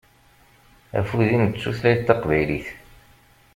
Afud-im d tutlayt taqbaylit.